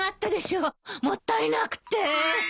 もったいなくて。